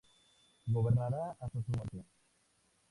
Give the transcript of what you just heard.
Gobernará hasta su muerte.